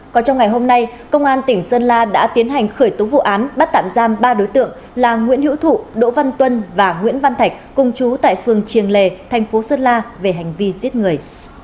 còn trong ngày hôm nay công an tỉnh sơn la đã tiến hành khởi tố vụ án bắt tạm giam ba đối tượng là nguyễn hữu thụ đỗ văn tuân và nguyễn văn thạch cùng chú tại phường triềng lề thành phố sơn la về hành vi giết người